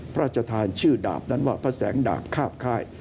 พระราชทานชื่อดาบนั้นว่าพระแสงดาบคาบค่าย